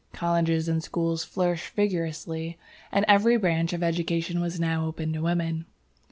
Colleges and schools flourished vigorously, and every branch of education was now open to women.